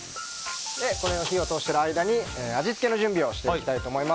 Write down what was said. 火を通してる間に味付けの準備をしていきたいと思います。